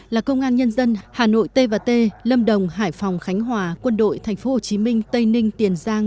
là công an nhân dân hà nội t và t lâm đồng hải phòng khánh hòa quân đội tp hcm tây ninh tiền giang